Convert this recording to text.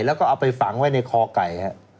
แล้วก็เอาไปฝังไว้ในคอไก่